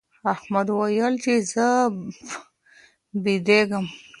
احمد وویل چي زه بېدېږم.